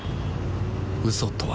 嘘とは